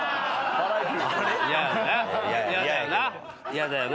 嫌だよな。